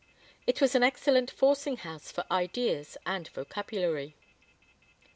It was an excellent forcing house for ideas and vocabulary.